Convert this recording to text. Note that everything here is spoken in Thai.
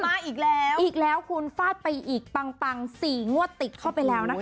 มาอีกแล้วอีกแล้วคุณฟาดไปอีกปังปังสี่งวดติดเข้าไปแล้วนะคะ